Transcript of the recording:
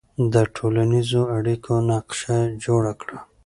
د ټولنیزو اړیکو نقشه جوړه کړه.